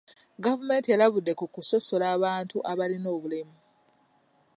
Gavumenti erabudde ku kusosola abantu abalina obulemu.